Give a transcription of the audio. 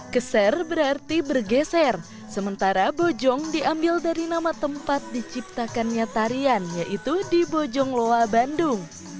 keser berarti bergeser sementara bojong diambil dari nama tempat diciptakannya tarian yaitu di bojong loa bandung